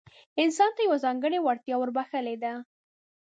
انسان ته يې يوه ځانګړې وړتيا وربښلې ده.